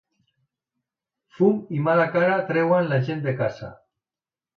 Fum i mala cara treuen la gent de casa.